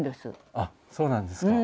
あっそうなんですか。